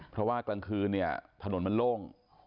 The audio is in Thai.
เพราะว่ากลางคืนเนี่ยถนนมันโล่ง